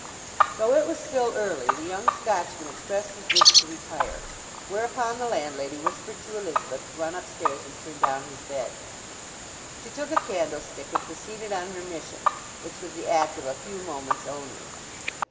Though it was still early the young Scotchman expressed his wish to retire, whereupon the landlady whispered to Elizabeth to run upstairs and turn down his bed. She took a candlestick and proceeded on her mission, which was the act of a few moments only.